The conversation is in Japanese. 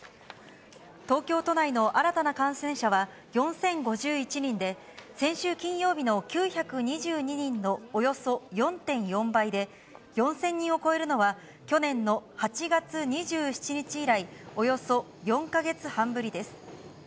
東京都内の新たな感染者は４０５１人で、先週金曜日の９２２人のおよそ４．４倍で、４０００人を超えるのは去年の８月２７日以来、およそ４か月半ぶりです。